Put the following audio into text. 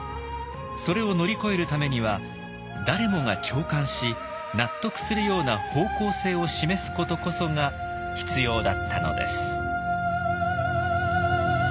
それを乗り越えるためには誰もが共感し納得するような方向性を示すことこそが必要だったのです。